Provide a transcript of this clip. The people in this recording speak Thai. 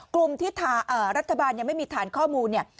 กลุ่มที่รัฐบาลยังไม่มีฐานข้อมูลเนี่ย